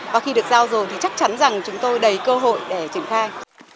và khi được giao rồi thì chắc chắn rằng chúng tôi đầy cơ hội để triển khai